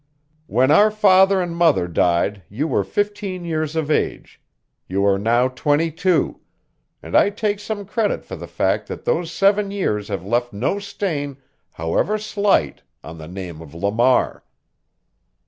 "When our father and mother died you were fifteen years of age. You are now twenty two; and I take some credit for the fact that those seven years have left no stain, however slight, on the name of Lamar."